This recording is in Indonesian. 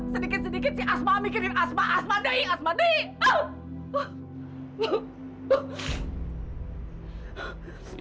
sedikit sedikit si asma mikirin asma asma daik asma daik